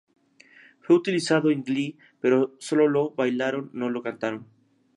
Fue utilizado en Glee, pero solo lo bailaron, no lo cantaron.